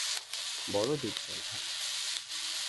বড়ো ডিপজল, ভাই।